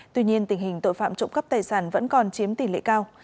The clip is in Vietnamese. tuy nhiên tình hình tội phạm trộm cắp tài sản vẫn còn chiếm tỷ lệ cao